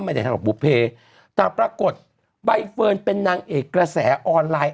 ไม่ใช่ว่าบุฟเฟต์แต่ปรากฏใบเฟิร์นเป็นนางเอกกระแสออนไลน์